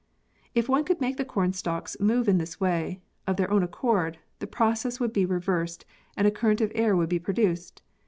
If one could make the cornstalks move in this way, of their own accord, the process would be reversed and a current of air would be produced.